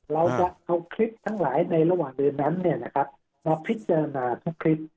เราจะเอาคลิปทั้งหลายในระหว่างเดือนนั้นมาพิจารณาทุกคลิป